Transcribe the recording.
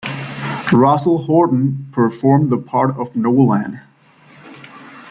Russell Horton performed the part of Nolan.